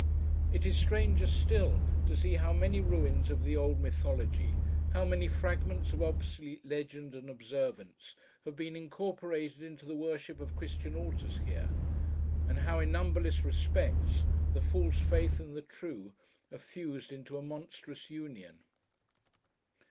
It is stranger still, to see how many ruins of the old mythology: how many fragments of obsolete legend and observance: have been incorporated into the worship of Christian altars here; and how, in numberless respects, the false faith and the true are fused into a monstrous union.